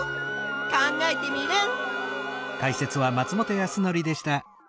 考えテミルン！